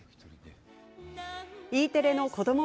Ｅテレの子ども